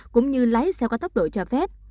cũng như lái xe qua tốc độ cho phép